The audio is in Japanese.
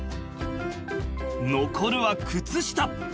残るは靴下。